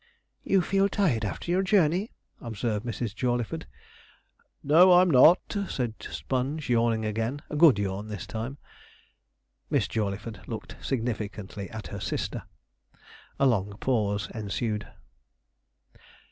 'You feel tired after your journey?' observed Mrs. Jawleyford. 'No, I'm not,' said Sponge, yawning again a good yawn this time. Miss Jawleyford looked significantly at her sister a long pause ensued.